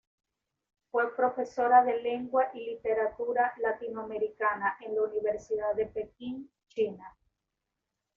Fue profesora de Lengua y Literatura Latinoamericana en la Universidad de Pekín, China.